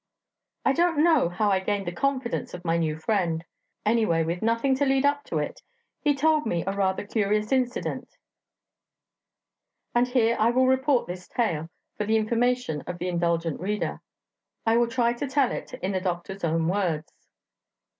I don't know how I gained the confidence of my new friend anyway, with nothing to lead up to it, he told me a rather curious incident; and here I will report his tale for the information of the indulgent reader. I will try to tell it in the doctor's own words.